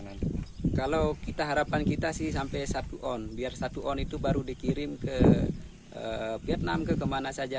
kalau kita harapan kita sih sampai satu on biar satu on itu baru dikirim ke vietnam ke kemana saja